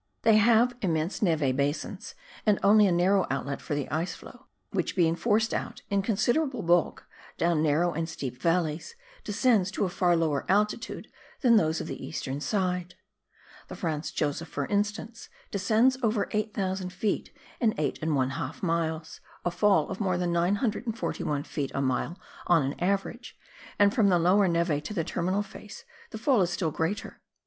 They have immense neve basins and only a narrow outlet for the iceflow, which being foVced out in considerable bulk down narrow and steep valleys, descends to a far lower altitude than those of the eastern side. The Franz Josef, for instance, descends over 8,000 ft. in 8^ miles, a fall of more than 941 ft. a mile on an average, and from the lower neve to the terminal face the fall is still greater.